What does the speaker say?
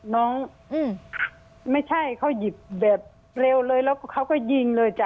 น้องไม่ใช่เขาหยิบแบบเร็วเลยแล้วก็เขาก็ยิงเลยจ้ะ